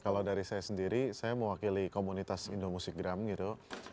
kalau dari saya sendiri saya mewakili komunitas indomusikgram gitu